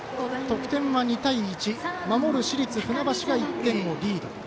得点は２対１守る市立船橋が１点リード。